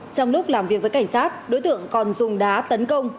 trong lúc làm việc với cảnh sát đối tượng còn dùng đá tấn công